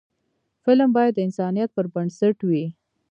فلم باید د انسانیت پر بنسټ وي